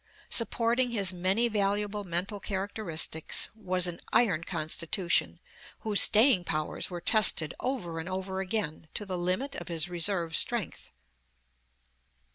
Supporting his many valuable mental characteristics, was an iron constitution, whose staying powers were tested over and over again, to the limit of his reserve strength.